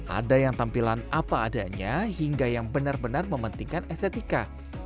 ada yang tampilan apa adanya hingga yang benar benar mementingkan estetika